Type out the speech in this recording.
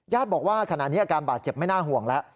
บอกว่าขณะนี้อาการบาดเจ็บไม่น่าห่วงแล้ว